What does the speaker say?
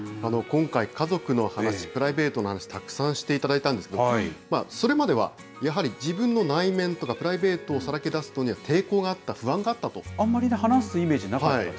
今回、家族の話、プライベートの話、たくさんしていただいたんですけど、それまではやはり自分の内面とかプライベートをさらけ出すのはえあんまり話すイメージなかっ